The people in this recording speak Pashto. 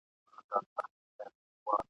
سره له هغه چي خپل شعرونه !.